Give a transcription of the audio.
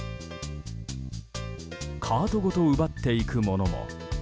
カートごと奪っていく者も。